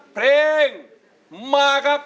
เพลงมาครับ